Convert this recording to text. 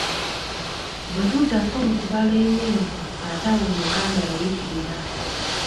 "Bwe tuddako mu kubala emyezi, ate awo Omuganda yayitirira!"